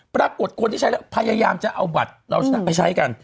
ปรากฏคนที่ใช้แล้วพยายามจะเอาบัตรเราชนะไปใช้กัน